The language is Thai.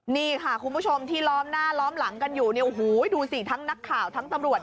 นี่ค่ะคุณผู้ชมที่ล้อมหน้าล้อมหลังกันอยู่เนี่ยโอ้โหดูสิทั้งนักข่าวทั้งตำรวจ